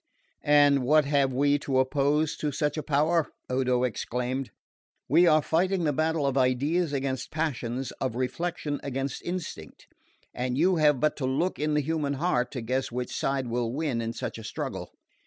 "And what have we to oppose to such a power?" Odo exclaimed. "We are fighting the battle of ideas against passions, of reflection against instinct; and you have but to look in the human heart to guess which side will win in such a struggle.